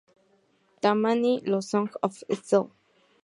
Tammany, los Sons of St.